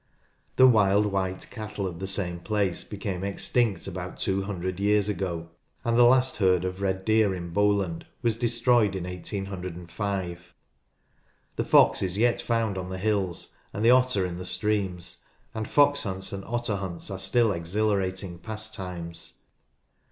The wild white cattle of the same place became extinct about two hundred years ago, and the last herd of red deer in Bowland was destroyed in 1805. The fox is yet found on the hills, and the otter in the streams, and fox hunts and otter hunts are still exhila rating pastimes.